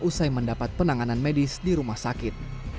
usai mendapat penanganan medis di rumah sakit